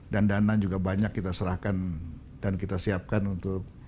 dan dana juga banyak kita serahkan dan kita siapkan untuk